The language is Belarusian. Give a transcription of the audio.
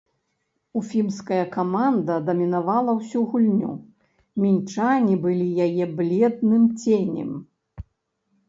Уфімская каманда дамінавала ўсю гульню, мінчане былі яе бледным ценем.